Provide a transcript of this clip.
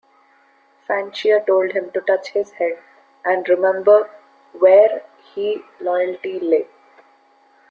Fanchea told him to touch his head and remember where he loyalty lay.